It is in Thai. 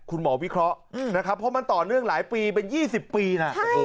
คุณหมอวิเคราะห์นะครับเพราะมันต่อเนื่องหลายปีเป็น๒๐ปีนะ